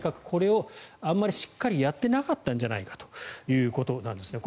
これをあんまりしっかりやっていなかったんじゃないかということです。